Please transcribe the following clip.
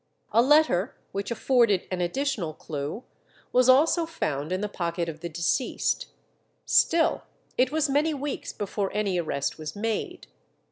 A letter, which afforded an additional clue, was also found in the pocket of the deceased. Still it was many weeks before any arrest was made.